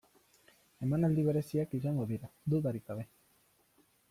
Emanaldi bereziak izango dira, dudarik gabe.